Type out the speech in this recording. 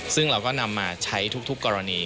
ซึ่งเราก็นำมาใช้ทุกกรณี